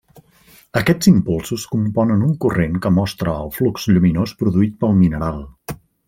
Aquests impulsos componen un corrent que mostra el flux lluminós produït pel mineral.